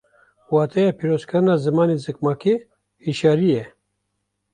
Wateya pîrozkirina zimanê zikmakî hîşyarî ye